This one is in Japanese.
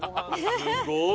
すごい！